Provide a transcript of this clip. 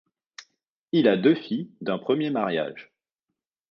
Il a deux filles d'un premier mariage.